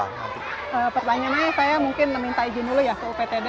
pertanyaannya saya mungkin minta izin dulu ya ke uptd